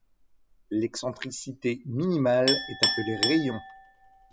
L'excentricité minimale est appelée rayon.